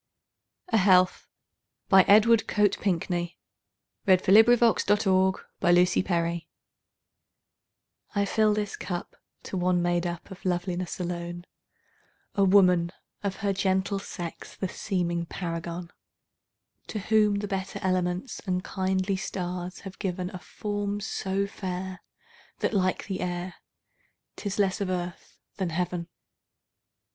erse. 1912. Edward Coate Pinkney 1802–1828 Edward Coate Pinkney 34 A Health I FILL this cup to one made up of loveliness alone,A woman, of her gentle sex the seeming paragon; To whom the better elements and kindly stars have givenA form so fair, that, like the air, 't is less of earth than heaven.